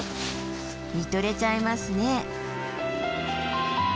見とれちゃいますね。